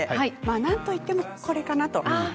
なんといっても、これかなと。